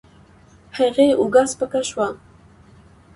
هغې اوږه سپکه شوه.